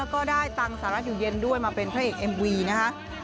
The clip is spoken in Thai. แล้วก็ได้ตังค์สาระหิวเย็นด้วยมาเป็นเพลงเอ็มวีนะครับ